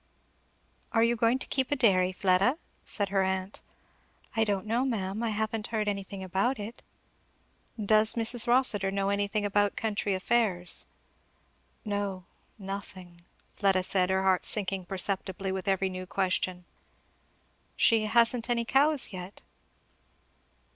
"Are you going to keep a dairy, Fleda?" said her aunt. "I don't know, ma'am; I haven't heard anything about it." "Does Mrs. Rossitur know anything about country affairs?" "No nothing," Fleda said, her heart sinking perceptibly with every new question. "She hasn't any cows yet?"